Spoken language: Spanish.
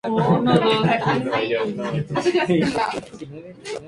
Nacida en la parte occidental de Turquía, proviene de una familia de funcionarios policiales.